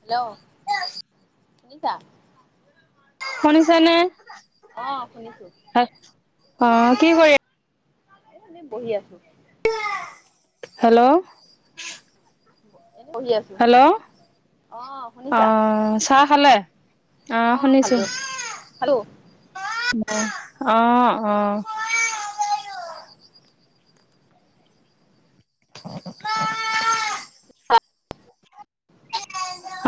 Hello, শুনিছা। শুনিছা নে অ' শুনিছো। অ কি কৰি আ ম বহি আছো। হেল্ল', এনে বহি আছো। হেল্ল' অ চাহ খালে। অ শুনিছোঁ। খালো। অ' অ' [unintelligible] [unintelligible]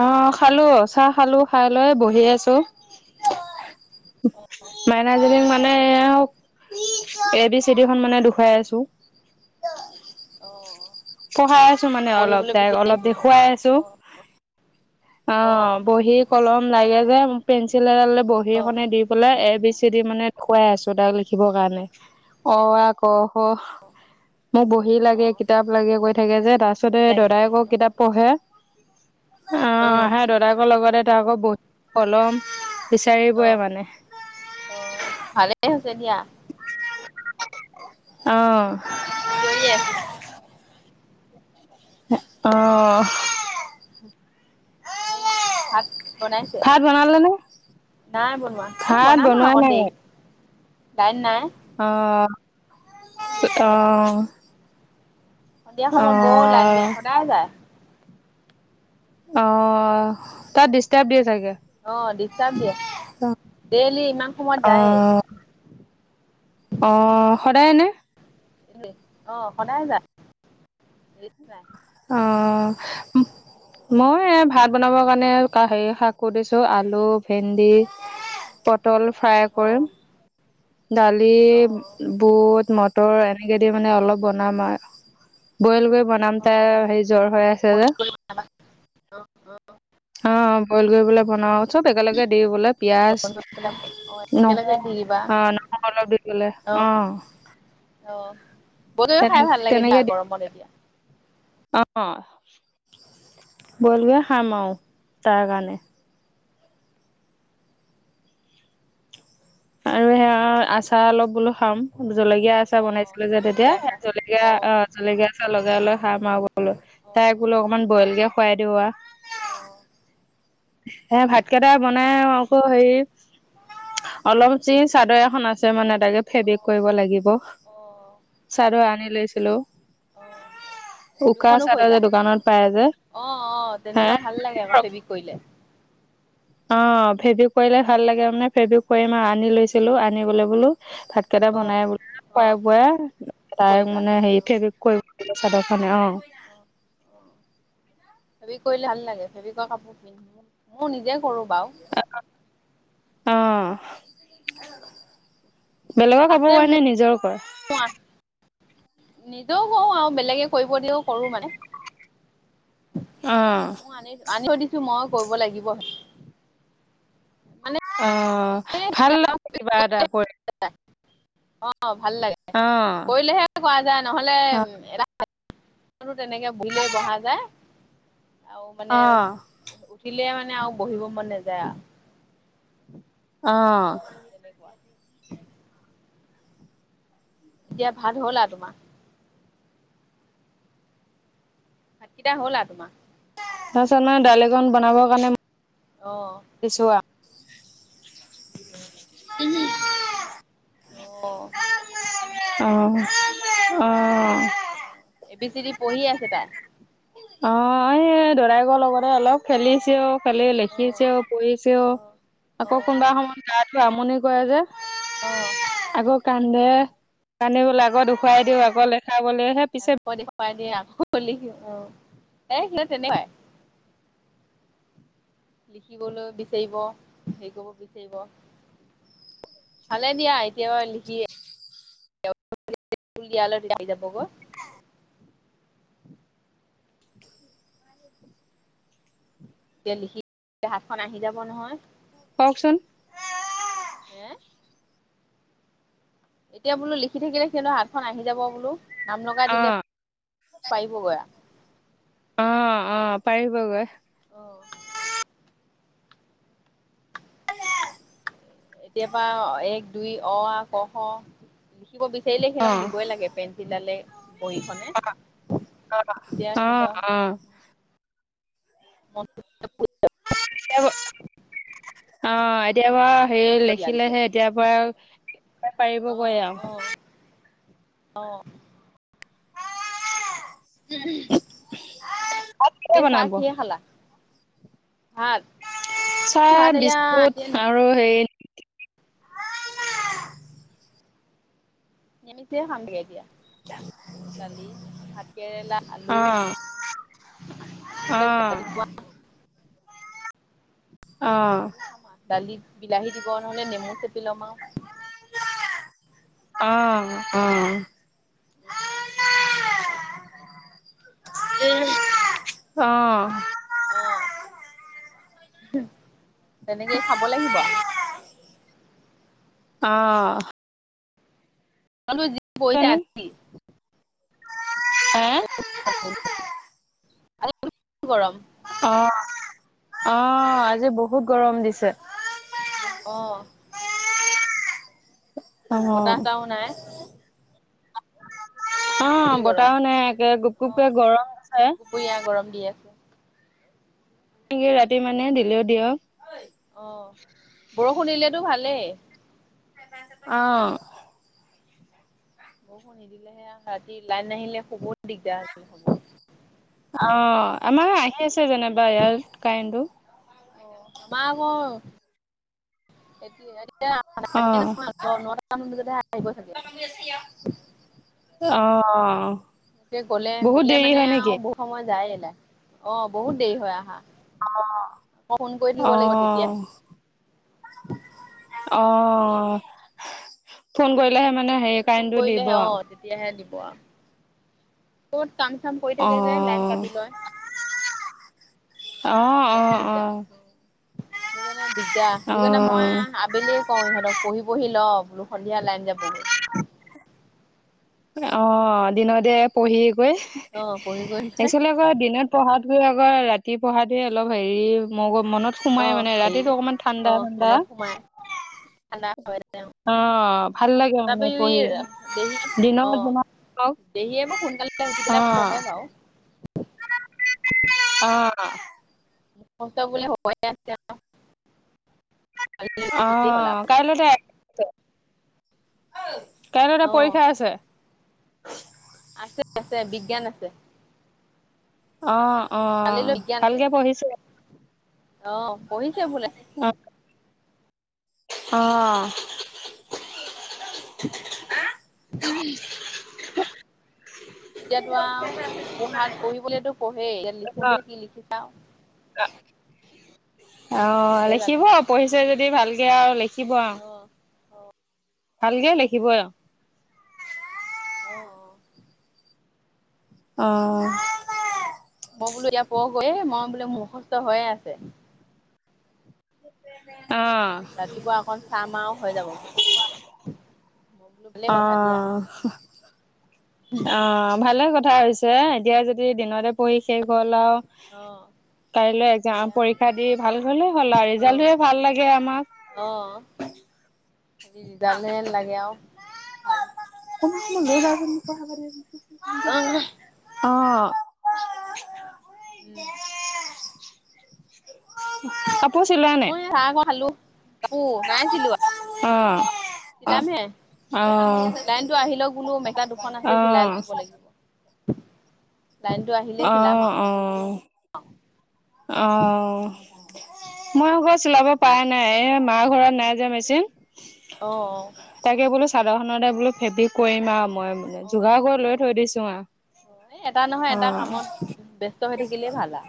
অ' খালো চাহ খালো, খাই লৈ বহি আছো। উম, অ' মাইনাৰজিলিং মানে হক এ বি চি ডিখন মানে দেখুৱাই আছো। অ পঢ়াই আছো মানে অলপ পঢ়িবলৈ তাইক অলপ বিচাৰিছে। দেখুৱাই আছো। অ' অ, বহী কলম লাগে যে পেঞ্চিল এডাল বহি অ' এখনে দি পেলাই এ বি চি ডি মানে খুৱাই আছো তাক লিখিবৰ কাৰণে অ আ ক খ মোক বহি লাগে অ' কিতাপ লাগে কৈ থাকে যে তাৰ বহি পিছতে লাগে দাদাই কৰি আকৌ আছ। কিতাপ পঢ়ে। অহ, উম, আহে দেউতাকৰ লগতে আকৌ বহুত পলম অ অ ভালেই হৈছে দিয়া। চিঞৰি আছে। অ', অহ ', এনে ভাত বনাইছে? ভাত বনালে নে নাই বনোৱা এ ভাত বনাম আৰু বনোৱা অকণ নাই দেৰি লাইন নাই। অ', অলপ দেৰিককে অ বনাম আৰু। সন্ধিয়া অ সময়ত বৰ ওলাই যায় সদায় যায়। অ, তাত ডিষ্টাৰ্ব দিয়ে চাগে। অ, দিষ্টাৰ্ব দিয়ে। ডেইলি ইমান সময়ত যায়েই অ- অ। সদায়েনে? এ অ, সদায় যা অ', মই ভাত বনাবৰ কাৰণে হেৰি শাকো দিছো আলু ভেন্দি পটল ফ্ৰাই অ কৰিম দালি অ বুট ম তৰ এনেকে দি মানে অলপ বনাম আৰ বইল বনাম অ অ তাই হেৰি জ্বৰ হৈ আছে ফোন যে। কৰি পেলাবা অ অ অ, বইল কৰিবলে বনাও চব একেলগে দি বোলে বৰ পেলাম অ, একেলগে দিৰিবা। অ, [unintelligible] দি গলে অ, অ, গোটেইটো তেনে খাই ভাল লাগে দিয়া তেনেকে দি গৰমত এতিয়া। অ, বলগৈ খামও তাৰ কাৰণে আৰু সেয়া আচাৰ অলপ বোলো খাম। জলকীয়া অ আচাহ অ বনাইছিলো যে তেতিয়া জলকীয়া আচাৰ জলকীয়া অ, জলকীয়া আচাহ লগাই লগাই সাৰ মাৰ [unintelligible] অ তাই বোলো অকনমান বইল কে খুৱাই দিও আহ। অহ ', হে ভাতকেইটা বনাই আকৌ হেৰি অলপ চিজ চাদৰ এখন আছে মানে তাকে অ ফেব্ৰিক কৰিব লাগিব। অ চাৰ আনি লৈছিলো। অ উকা দুখনো চাদৰ যে কৰিলা দোকানত পাই যে অ - অ হে তেনেকুৱা ভাল লাগে আকৌ সেইৱিক কৰিলে। অ, ফেব্ৰিক কৰিলে ভাল লাগে মানে ফেব্ৰিক কৰিম আৰু আনি লৈছিলো আনি গলে বোলো ভাতকেইটা অ বনাই বোলে অ খুৱাই বুৱাই তাই কৰিবা মানে হেৰি অ ফে চাদৰখে অ, অ অ ফেব্ৰিক কৰিলে ভাল লাগে ফেবিকৰ কাপোৰ পিন্ধ মোৰ নিজে কৰো। বাও। অ', বেলেগক কব আছে পৰা মোৰ নাই নিজৰ কয়। নিজেও কও আৰু বেলেগে কৰিব দিও কৰো মানে। অ মই আনি আনিব দিছো মই কৰিব লাগিব। মানে অ, ভাল লাগে কিবা এটা কৰি। অ ভাল লাগে অ কৰিলেহে কোৱা যায় নহলে অ এটা কনো তেনেকে ভিলেই বহা যায় আৰু মানে অ উঠিলে মানে আৰু বহিব মন নাযায় আৰু অ তেনেকুৱা এতিয়া ভাল হ'ল আৰু তোমাৰ এতিয়া হ'লা তোমা তাৰিছত নই দালিকন বনাব অ কাৰণেছো আৰু [unintelligible] আহ অঁ অঁ অ এ বি চি ডি পঢ়ি আছে তাই অ, এই দৰাইগ লগতে অলপ খেলিছিয় ফালে অ লিখিছেও পঢ়িছেও আকৌ অ কোনোবা সময়ত গাটো আমনি কৰে যে আহ আকৌ কান্দে কান বো আগত উুখুৱাই অ' দিওঁ আগৰ লেখাাবলেহে পিছে আকৌ দেখুৱাই [unintelligible] অ, এ সি তেনেকাই লিখিবলৈ বিচাৰিব হেৰি কৰিব বিচাৰিব ভালে দিয়া এতিয় বাৰ লিখিয় লালাপক হয় এয়া লিখি হাতখন আহি যাব নহয় কওকচোন হে এতিয়া বোলো লিখি থাকিলে সিহঁত হাতখন আহি যাব বোলো নাম লগাই দিলে অ', পাৰিবগ অ', অ', পাৰিবগৈ। এতিয় পৰাা এক দুই অ ক শ দিব বিচাৰিলে সিহঁতক অ', দিবই লাগে পেঞ্চিল ডালে অ তেতিয়া আহ সিহঁতৰ অ অ হব অ, এতিয়াৰ পৰা হেৰি লিখিলেহে এতিয়াৰ পৰা আহ পাৰিবগৈ আৰু। আহ আহ ভাত ন কিহে চাহ বনাব? কিে খালা ভাত ভাল চাহ এয়া বিস্কুট এতিয়া আৰু হেই নিেমিছে সম গেদিয়া দালি ভাতকেৰেলা আলু এইবিলাক অহ', অ', খামা দালিত বিলাহী দিব নহলে নেমু চেপি লমাও আহ আহ [unintelligible] উ অ আহ তেনেকে খাব লাগিব আহ তলো যি পইছো আছ হে? ব গৰম অ আহ আজি বহুত গৰম দিছে অ অ অ', চতাহো নাই বেছি অ' গৰম বতাও নাই, একে অ গুপ-গুপকে গৰম আছে। গুপগুপীয়া গৰম দি আছে [unintelligible] ৰাতি মানে দিলেও দিয়ক। অ' বৰষুণ দিলেতো ভালেই। অ বৰষুণ নিদিলেহে ৰাতি লাইন নাহিলে শুব দিগদাৰ হৈছিল সময় অ' আমাৰো আহি আছে যেনিবা ইয়াত কাৰেণ্টটো। অ' আমাৰ [unintelligible] নটামান অ', বজালৈ হে আহিব গে চাগে অ'। গলে বহুত গলে দেৰি মানে হয় নেকি? আৰু বহুত সময় যায়, অ' বহুত দেৰি হৈ আহা। আকৌ ফোন কৰি অ', থাকিব লাগিব তেতিয়া অ', অ ফোন কৰিলেহে মানে হেৰি কাৰেণ্টো দিব আৰু ক'বাত কাম-চাম কৰি থাকে যে লাইন অ', কাটি লয়। অ' অ' অ'। সেই কাৰণে দিগদাৰ সেইটো কাৰণে মই আবেলি কওঁ ইহঁতক, পঢ়ি পঢ়ি ল! বোলো সন্ধিয়া লাইন যাবগে। অ দিনতে পঢ়ি গৈ অ' পঢ়ি গৈ লৈ এক্সচালী আকৌ দিনত পঢ়াত আকৌ ৰাতি পঢ়াটোৱে অলপ হেৰি মগ মনত সোমাই অ' মানে হেৰি ৰাতিটো অকমান ঠাণ্ডা অ' ঠাণ্ডা মনত সোমাই ঠাণ্ডা হয় অ' ভাল লাগে মানে তথাপি পঢ়ি, দিনত যিমান হওক দেহিয় মোৰ সোনকালে উঠি পেলাই পঢ়ে বাৰু আহ। বহুতৰ বোলে হ'বইয়ে আছে। অহ কাইলৈ তই আইই কাইলৈ তাইৰ আৰু অ পৰীক্ষা আছে। আছে আছে, বিজ্ঞান আছে। অ অ কালিলৈ বিজ্ঞান আছে ভালকে পঢ়িছে অ' পঢ়িছে বোলে। আহ উমহ এতিয়াতো আও পঢ়াত পঢ়িবলৈটো পঢ়েই, এতিয়া লিখোতেহে কি লিখিছে আও। [unintelligible] অ সিহে জানে লিখিব পঢ়িছে যদি ভালকে আৰু লিখিব আৰু অ ভালকে লিখিবই। আহ। অ, [unintelligible] মই বোলো [unintelligible] গৈয়ে মই বোলে মুখস্থ হৈয়ে আছে। [unintelligible] ৰাতিপুৱা অকন চাম আৰু হৈ যাব মই বোলো ভালেই অ কথা দিয়া অ ভালে কথা কথা হৈছে এতিয়া যদি দিনতে পঢ়ি শেষ হল আও অহ', এতিয়া পৰীক্ষা দি ভাল এক্সম হ'লে পৰীক্ষা হ'ল আৰু অ ৰিজাল্টটোৱে ভাল হ'লে লাগে আমাক। অ খালি ৰিজাল্টহে লাগে আৰু ভাল। [unintelligible] অ দে কাপোৰ চিলোৱা নাই মই চাহ অকন খালো কাপোৰ নাই চিলোৱা। ঔম চিলামহে। লাইনটো আহি লওক বোলো মেখেলা দুখন আছে চিলাই অ', থব লাগিব। লাইনটো আহিলে চিলাম আওঁ। অহ', মই আকৌ চিলাব পাৰে নাই এ মাৰ ঘৰত নাই যে মেচিন। অ তাকে বোলো চাদৰ খনতে বোলো ফেব্ৰিক কৰিম আৰু মই মানে অ অ যোগাৰ কৰি অ লৈ থৈ দিছো আৰু। অ, এই এটা নহয় অ এটা কামত ব্যস্ত হৈ থাকিলেই ভাল আ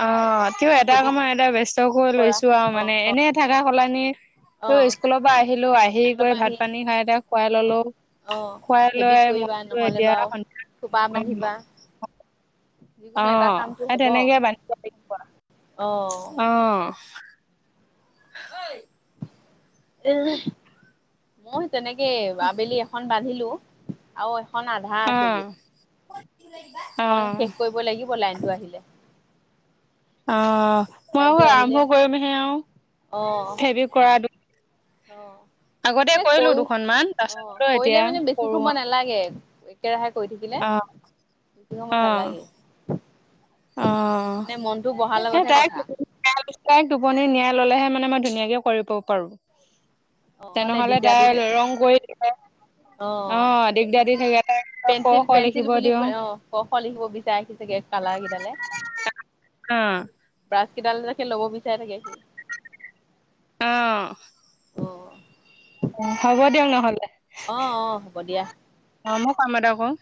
অ, তেওঁ এটা কামৰ এটা বেচ ত কৰি কৰা লৈছো আৰু অ মানে অ এনে অ থাকা সলনি অ তো স্কুলত বা আহিলো আহি স্কুলৰ কৰি পৰা ভাত আহি পানী খাই এতিয়া শুৱাই অ ল'লো অ শুৱাই লৈ ফেব্ৰিক কৰিবা মনটো নহ'লে এতিয়া বাৰু সন্ধিয়া থোপা বান্ধিবা [unintelligible] অ, যিকোনো এটা কামটো সেই হ'ব তেনেকেই [unintelligible] অ অহ, [inaudible] অই [unintelligible] মই তেনেকেই আবেলি এখন বান্ধিলো আৰু এখ এখন আধা অ আছেগৈ অ এখন শেষ অ কৰিব লাগিব লাইনটো আহিলে। অ, মই লাইনটো আৰু আহিলে আৰম্ভ কৰিমহে আৰু অ', ফেব্ৰিক কৰাটো। অ', এই কৰি দুখনমান অ, তাৰপিছত বোলো এতিয়া কৰিলে মানে বেছি কৰো সময় আৰু নালাগে একেৰাহে কৰি থাকিলে অ বেছি অ সময় নালাগে। অ, মানে মনটো বহাৰ এ লগতহে তাই কথা [unintelligible] টোপনি নিয়া ল'লেহে মানে মই ধুনীয়াকে কৰিব পাৰো অ', নহ'লে তেনেহলে দিগদাৰ দি তাই থাকে ৰং কৰি থাকে অ', দিগদাৰ দি থাকে। তাই ক পেঞ্চিল খ পেঞ্চিল লিখিব বুলি দিওঁ অ', ক-খ লিখিব বিচাৰে সি চাগে কাল কালাৰ গীদালে, অ ব্ৰাছ কেইডাল সি ল'ব বিচাৰি থাকে। অহ। অ', অ', হ'ব দিয়ক নহ'লে। অ', অ', হ'ব দিয়া। কাম এটা কৰোঁ।